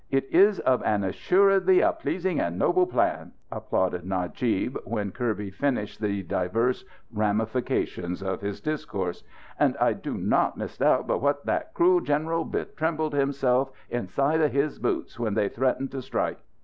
"It is of an assuredly a pleasing and noble plan," applauded Najib when Kirby finished the divers ramifications of his discourse. "And I do not misdoubt but what that cruel general betrembled himself inside of his boots when they threatened to strike.